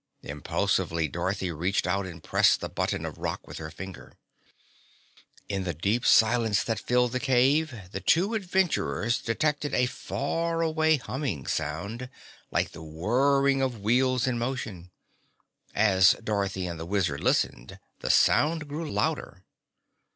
Impulsively Dorothy reached out and pressed the button of rock with her finger. In the deep silence that filled the cave, the two adventurers detected a far away humming sound, like the whirring of wheels in motion. As Dorothy and the Wizard listened, the sound grew louder.